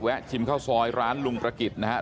ชิมข้าวซอยร้านลุงประกิจนะครับ